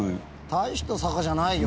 大した坂じゃないよ